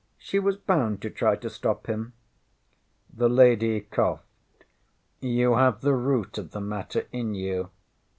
She was bound to try to stop him. ŌĆÖ The lady coughed. ŌĆśYou have the root of the matter in you.